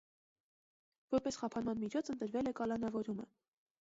Որպես խափանման միջոց ընտրվել է կալանավորումը։